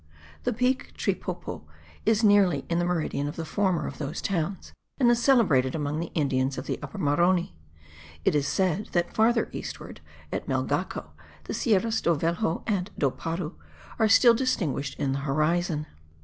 The peak Tripoupou is nearly in the meridian of the former of those towns and is celebrated among the Indians of Upper Maroni. It is said that farther eastward, at Melgaco, the Serras do Velho and do Paru are still distinguished in the horizon.